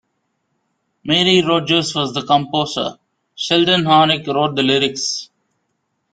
Mary Rodgers was the composer; Sheldon Harnick wrote the lyrics.